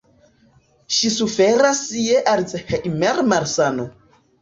Ŝi suferas je Alzheimer-malsano.